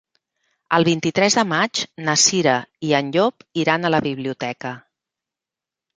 El vint-i-tres de maig na Cira i en Llop iran a la biblioteca.